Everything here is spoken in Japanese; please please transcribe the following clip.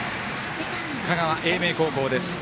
香川・英明高校です。